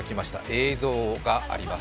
映像があります。